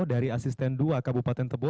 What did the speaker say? dari asisten dua kabupaten tebo